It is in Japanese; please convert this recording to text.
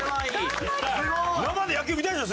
生で野球見たいでしょ？